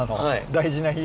大事な日？